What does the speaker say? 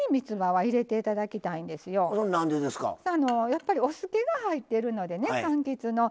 やっぱりお酢けが入ってるのでねかんきつの。